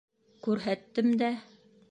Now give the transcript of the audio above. Күрһәттем дә: